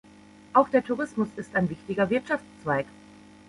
Auch der Tourismus ist ein wichtiger Wirtschaftszweig.